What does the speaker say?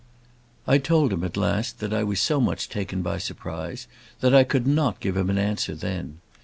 I told him, at last, that I was so much taken by surprise that I could not give him an answer then.